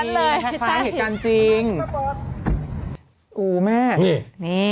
เลยใช่ใช่เหตุภาพอุ้ม่ะนี่